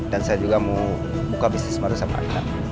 dan saya juga mau buka bisnis baru sama aina